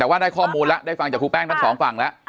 แต่ว่าได้ข้อมูลแล้วได้ฟังจากครูแป้งทั้งสองฝั่งแล้ว